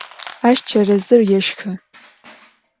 Aş çerezır yêşşxı.